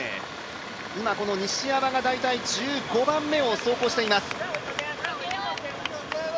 今、西山が大体１５番目を走行しています。